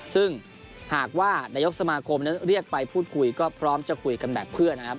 ซึ่งหากว่านายกสมาคมนั้นเรียกไปพูดคุยก็พร้อมจะคุยกันแบบเพื่อนนะครับ